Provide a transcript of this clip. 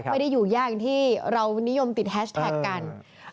ไม่ได้อยู่ยากอย่างที่เรานิยมติดแฮชแท็กกัน